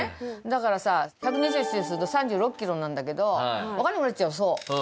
だからさ１２０周すると３６キロなんだけどわかんなくなっちゃうそう。